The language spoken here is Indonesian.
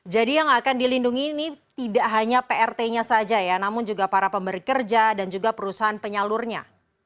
jadi yang akan dilindungi ini tidak hanya prt nya saja ya namun juga para pemberi kerja dan juga perusahaan penyalurnya